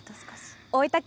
大分県